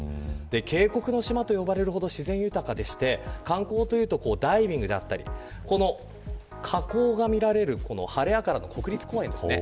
渓谷の島と呼ばれるほど自然豊かでして観光というとダイビングだったり火口が見られるハレアカラ国立公園ですね